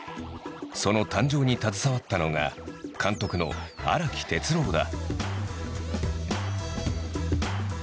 その誕生に携わったのが監督の荒木哲郎だ。